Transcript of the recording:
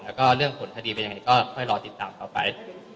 แล้วก็เรื่องผลคดีเป็นยังไงก็ค่อยรอติดตามต่อไป